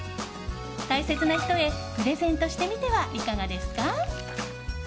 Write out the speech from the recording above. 大切な人へプレゼントしてみてはいかがですか？